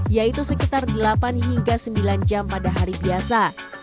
yaitu sekitar delapan hingga sembilan jam pada hari biasa